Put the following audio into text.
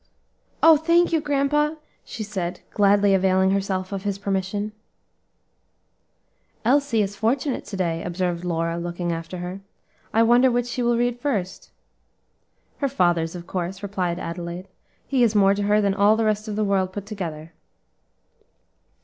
"Oh! thank you, grandpa," she said, gladly availing herself of his permission. "Elsie is fortunate to day," observed Lora looking after her. "I wonder which she will read first." "Her father's, of course," replied Adelaide. "He is more to her than all the rest of the world put together."